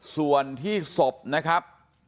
ส่วนที่ศพนะครับ